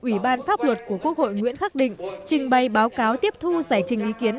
ủy ban pháp luật của quốc hội nguyễn khắc định trình bày báo cáo tiếp thu giải trình ý kiến